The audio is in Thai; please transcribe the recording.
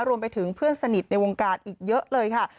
รวมไปถึงเพื่อนสนิทในวงการอีกเยอะเลยค่ะ